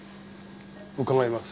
伺います。